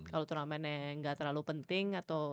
kalo turnamennya gak terlalu penting atau